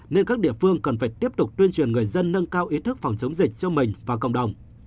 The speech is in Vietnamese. nên các địa phương cần phải tiếp tục tuyên truyền người dân nâng cao ý thức phòng chống dịch cho mình và cộng đồng